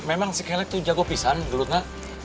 memang si kelek itu jago pisang gelutnya